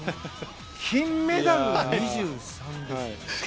金メダルが２３です。